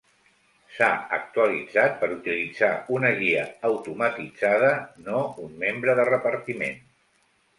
S'ha actualitzat per utilitzar una guia automatitzada, no un membre de repartiment.